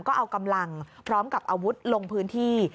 ก็เอากำลังพร้อมกับอาวุธลงพื้นที่